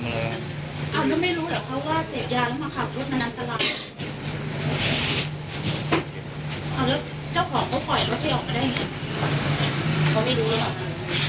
เครียดไปสี่เรียส